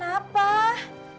badan ma panas banget